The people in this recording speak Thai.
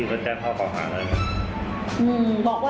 นี่มันให้เราเปิด